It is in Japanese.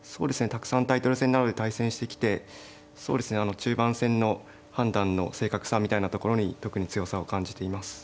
たくさんタイトル戦などで対戦してきてそうですね中盤戦の判断の正確さみたいなところに特に強さを感じています。